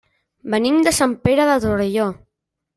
Venim de Sant Pere de Torelló.